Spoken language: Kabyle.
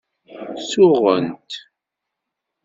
Suɣent.